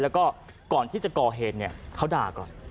แล้วก็ก่อนที่จะก่อเหตุเนี่ยเขาด่าก่อน